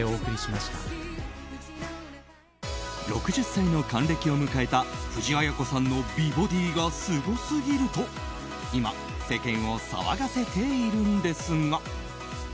６０歳の還暦を迎えた藤あや子さんの美ボディーがすごすぎると今、世間を騒がせているんですが。